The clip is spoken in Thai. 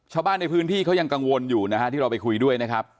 ชาวบ้านในพื้นที่เขายังกังวลอยู่นะฮะที่เราไปคุยด้วยนะครับ